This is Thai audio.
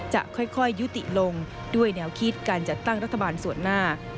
จะค่อยยุติลงด้วยแนวคิดการจัดตั้งรัฐบาลส่วนหน้า